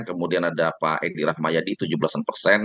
kemudian ada pak egri rahmayadi tujuh belas an persen